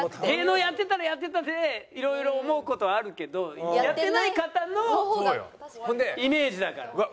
芸能やってたらやってたでいろいろ思う事はあるけどやってない方のイメージだから。